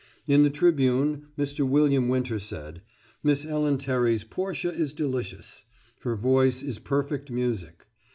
In the Tribune, Mr. William Winter said: "Miss Ellen Terry's Portia is delicious. Her voice is perfect music.